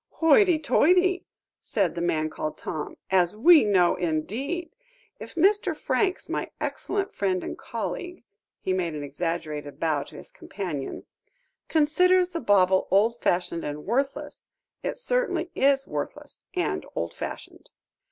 "Hoity, toity!" said the man called Tom; "as we know, indeed. If Mr. Franks, my excellent friend and colleague," he made an exaggerated bow to his companion, "considers the bauble old fashioned and worthless, it certainly is worthless and old fashioned."